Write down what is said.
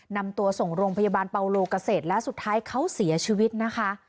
นำตัวส่งโรงพยาบาลเปาโลเกษตรและสุดท้ายเขาเสียชีวิตนะคะ